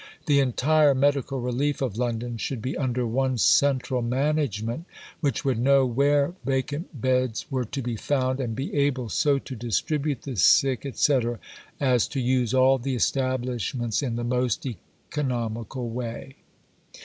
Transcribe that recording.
The entire Medical Relief of London should be under one central management which would know where vacant beds were to be found, and be able so to distribute the Sick, etc., as to use all the establishments in the most economical way.